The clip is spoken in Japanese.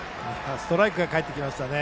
ストライクが帰ってきましたね。